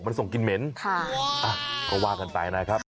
มันส่งกินเหม็นพอว่ากันไปเลยครับ